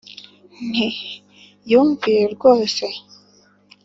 nti: yumviye rwose,